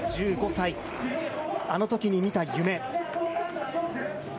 １５歳、あのときにみた夢。